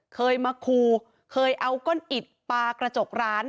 เคยมาคูเคยเอาก้อนอิดปลากระจกร้าน